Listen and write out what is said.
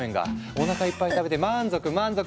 おなかいっぱい食べて満足満足。